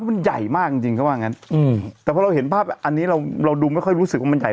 มันใหญ่มากจริงจริงเขาว่างั้นอืมแต่พอเราเห็นภาพอันนี้เราเราดูไม่ค่อยรู้สึกว่ามันใหญ่